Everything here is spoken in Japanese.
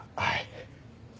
はい。